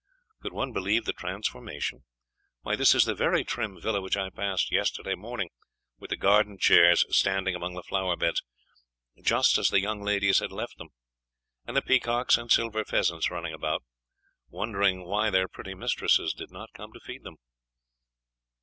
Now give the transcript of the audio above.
Could one believe the transformation? Why, this is the very trim villa which I passed yesterday morning, with the garden chairs standing among the flower beds, just as the young ladies had left them, and the peacocks and silver pheasants running about, wondering why their pretty mistresses did not come to feed them.